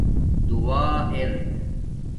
دُعا اِر